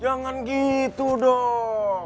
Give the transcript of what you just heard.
jangan gitu dong